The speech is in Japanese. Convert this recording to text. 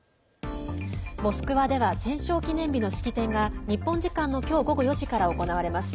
モスクワでは戦勝記念日の式典が日本時間の今日午後４時から行われます。